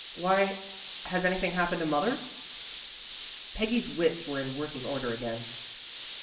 Why, has anything happened to mother? " Peggy's wits were in working order again.